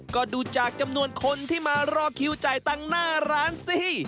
ก็ดูจากจำนวนคนที่มารอคิวจ่ายตังค์หน้าร้านสิ